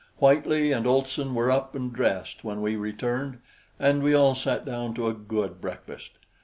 Whitely and Olson were up and dressed when we returned, and we all sat down to a good breakfast.